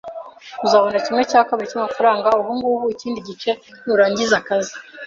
Uzabona kimwe cya kabiri cyamafaranga ubungubu, ikindi gice nurangiza akazi.